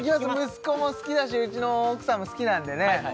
息子も好きだしうちの奥さんも好きなんでね